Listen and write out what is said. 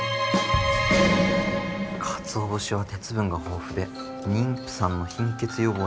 かつお節は鉄分が豊富で妊婦さんの貧血予防にも効果的と。